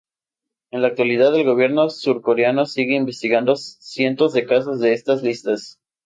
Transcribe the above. En la actualidad, el gobierno surcoreano sigue investigando cientos de casos de esas listas.